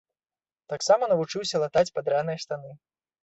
Таксама навучыўся латаць падраныя штаны.